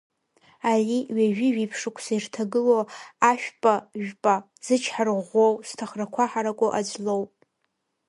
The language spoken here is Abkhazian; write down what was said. Ари ҩажәи жәиԥшь шықәса ирҭагылоу ашәпажәпа, зычҳара ӷәӷәоу, зҭахрақәа ҳараку аӡә лоуп.